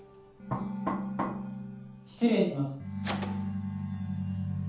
・失礼します